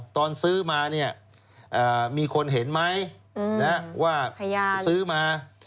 ตอนซื้อมาเนี่ยมีคนเห็นไหมว่าซื้อมา